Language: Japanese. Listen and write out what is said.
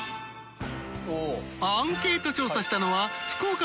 アンケート調査したのは＿